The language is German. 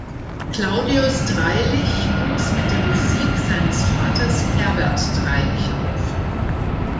Claudius Dreilich wuchs mit der Musik seines Vaters Herbert Dreilich auf.